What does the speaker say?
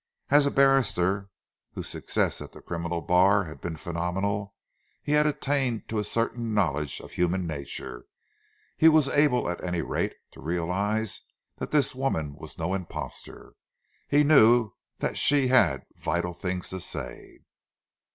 As a barrister whose success at the criminal bar had been phenomenal, he had attained to a certain knowledge of human nature. He was able, at any rate, to realise that this woman was no imposter. He knew that she had vital things to say.